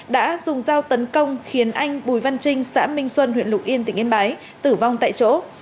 đã dùng dao tấn công khiến anh bùi văn trinh xã minh xuân huyện lục yên tỉnh yên bái tử vong tại chỗ